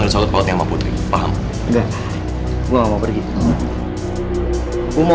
dia berani macam macam